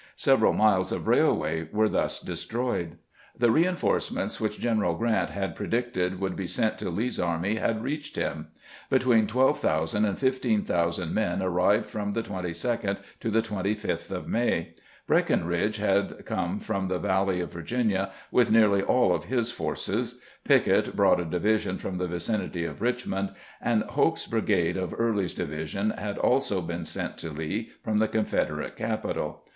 Several miles of railway were thus destroyed. The reinforcements which G eneral Grrant had pre dicted would be sent to Lee's army had reached him. Between 12,000 and 15,000 men arrived from the 22d to the 25th of May. Breckinridge had come from the val ley of Virginia with nearly all of his forces; Pickett brought a division from the vicinity of Richmond ; and Hoke's brigade of Early's division had also been sent to Lee from the Confederate capital.